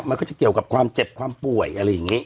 มันก็จะเกี่ยวกับความเจ็บความป่วยอะไรอย่างนี้